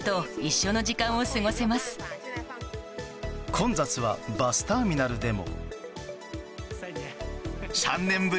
混雑はバスターミナルでも。